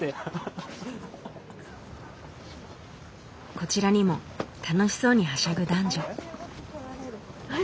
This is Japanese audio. こちらにも楽しそうにはしゃぐ男女。